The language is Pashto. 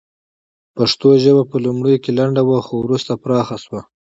پښتو ژبه په لومړیو کې لنډه وه خو وروسته پراخه شوه